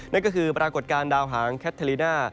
นั่นก็คือปรากฏการณ์ดาวหางแคทอลิน่า